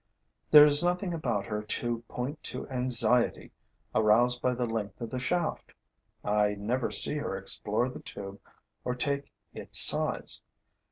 There is nothing about her to point to anxiety aroused by the length of the shaft. I never see her explore the tube or take its size.